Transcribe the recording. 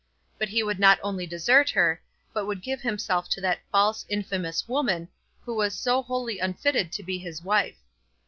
But he would not only desert her, but would give himself to that false, infamous woman, who was so wholly unfitted to be his wife.